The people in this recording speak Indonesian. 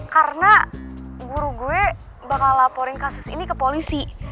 karena guru gue bakal laporin kasus ini ke polisi